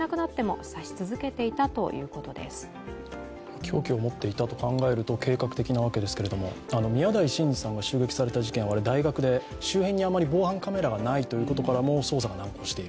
凶器を持っていたと考えると計画的なわけなんですけれども、宮台真司さんが襲撃された事件は大学で、周辺にあまり防犯カメラがないということからも捜査が難航している。